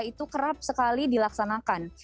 itu kerap sekali dilaksanakan